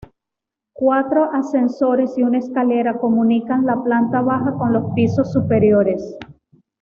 Cuatro ascensores y una escalera comunican la planta baja con los pisos superiores.